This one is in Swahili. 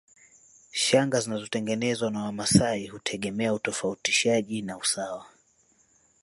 Shanga zinazotengenezwa na Wamasai hutegemea utofautishaji na usawa